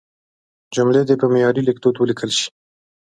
جملې دې په معیاري لیکدود ولیکل شي.